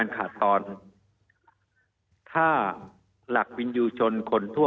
มีความรู้สึกว่ามีความรู้สึกว่า